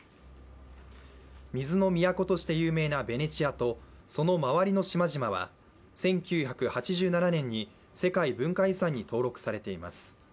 水の都として有名なベネチアとその周りの島々は１９８７年に世界文化遺産に登録されています。